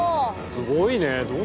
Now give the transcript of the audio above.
すごいね。